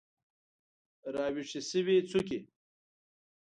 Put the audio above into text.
راویښې شوي څوکې